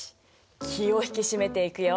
気を引き締めていくよ！